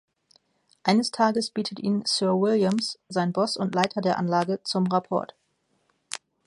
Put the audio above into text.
Eines Tages bittet ihn "Sir Williams", sein Boss und Leiter der Anlage, zum Rapport.